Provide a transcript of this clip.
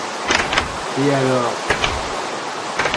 Et alors?